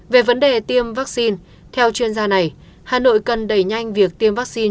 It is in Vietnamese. về vấn đề tiêm vaccine theo chuyên gia này hà nội cần đẩy nhanh việc tiêm vaccine